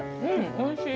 おいしい。